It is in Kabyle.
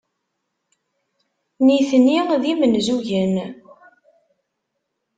Nitni d imenzugen.